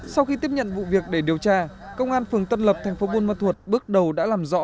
sau khi tiếp nhận vụ việc để điều tra công an phường tân lập thành phố buôn ma thuột bước đầu đã làm rõ